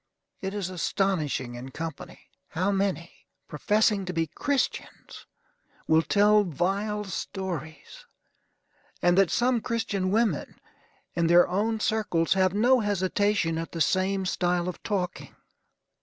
It is astonishing in company, how many, professing to be Christians, will tell vile stories; and that some Christian women, in their own circles, have no hesitation at the same style of talking.